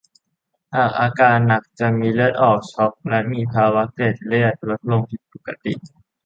หากอาการหนักจะมีเลือดออก ช็อก และมีภาวะเกล็ดเลือดลดลงผิดปกติ